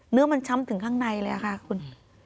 เนื้อมันช้ำถึงข้างในเลยค่ะคุณ